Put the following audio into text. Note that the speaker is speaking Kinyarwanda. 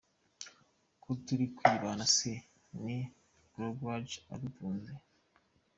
Ko turi kwibana se ni Croidja udutunze?”.